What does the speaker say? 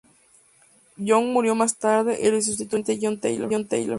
Young murió más tarde y le sustituyó el Presidente John Taylor.